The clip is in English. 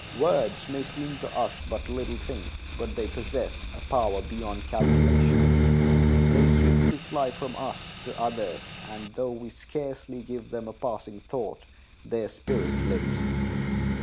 Words may seem to us but little things, but they possess a power beyond calculation. They swiftly fly from us to others, and though we scarcely give them a passing thought, their spirit lives.